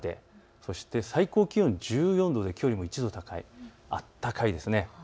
そして最高気温１４度できょうよりも１度高い、暖かいです。